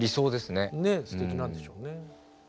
すてきなんでしょうね。